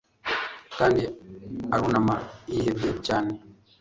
Kandi arunama yihebye cyane